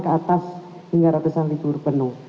ke atas hingga ratusan ribu rupiah penuh